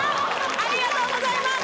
ありがとうございます